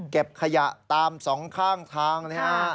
เก็บขยะตามสองข้างทางนะฮะ